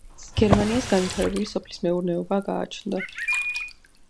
გერმანიას განვითარებული სოფლის მეურნეობა გააჩნია.